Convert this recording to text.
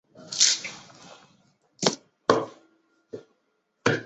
老圣母教堂是意大利北部城市维罗纳的一座罗马天主教教堂。